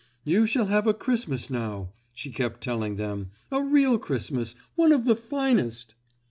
"You shall have a Christmas now," she kept telling them; "a real Christmas. One of the finest."